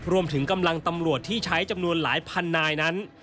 รวมถึงกำลังตำรวจที่ใช้จำนวนหลายพันนายนั้น